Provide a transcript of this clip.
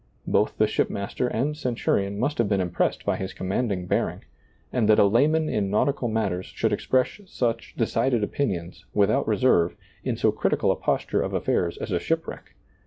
Both the shipmaster and centurion must have been impressed by his commanding bearing, and that a layman in nautical matters should ex press such decided opinions, without reserve, in so critical a posture of ailairs as a shipwreck.